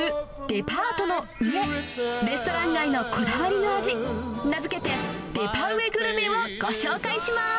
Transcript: レストラン街のこだわりの味、名付けて、デパ上グルメをご紹介します。